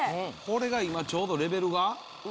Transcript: これが今ちょうどレベルが。